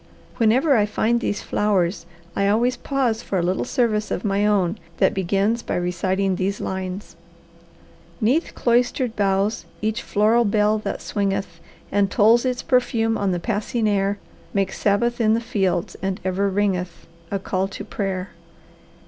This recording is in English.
Whenever I find these flowers I always pause for a little service of my own that begins by reciting these lines: "'Neath cloistered boughs, each floral bell that swingeth And tolls its perfume on the passing air, Makes Sabbath in the fields, and ever ringeth A call to prayer."